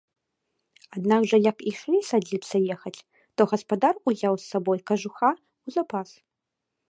Аднак жа як ішлі садзіцца ехаць, то гаспадар узяў з сабой кажуха ў запас.